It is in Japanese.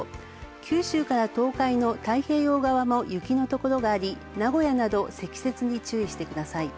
九州から東海の太平洋側も雪のところがあり、名古屋など積雪に注意してください。